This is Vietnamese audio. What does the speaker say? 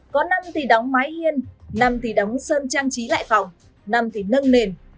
có năm thì đóng máy hiên năm thì đóng sơn trang trí lại phòng năm thì nâng nền